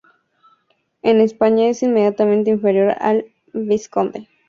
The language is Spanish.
En España es inmediatamente inferior al vizconde.